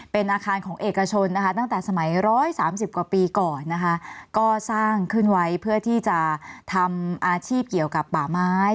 เป็นอาคารของเอกชนนะคะตั้งแต่สมัย๑๓๐กว่าปีก่อนนะคะก็สร้างขึ้นไว้เพื่อที่จะทำอาชีพเกี่ยวกับป่าไม้